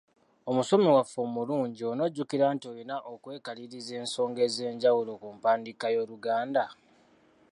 "Omusomi waffe omulungi, on'ojjukira nti olina okwekaliriza ensonga ez’enjawulo ku mpandiika y’Oluganda."